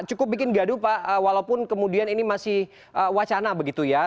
cukup bikin gaduh pak walaupun kemudian ini masih wacana begitu ya